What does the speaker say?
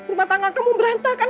rumah tangan kamu berantakan